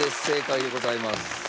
正解でございます。